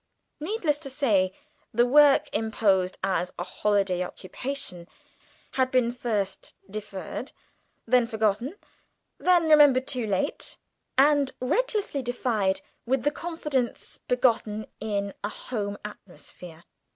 Needless to say, the work imposed as a holiday occupation had been first deferred, then forgotten, then remembered too late, and recklessly defied with the confidence begotten in a home atmosphere.